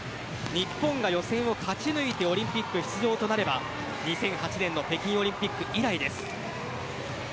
日本が予選を勝ち抜いてオリンピック出場となれば２００８年の北京オリンピック以来です。